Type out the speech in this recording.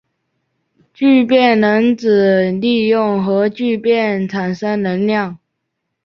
聚变能指利用核聚变产生能量。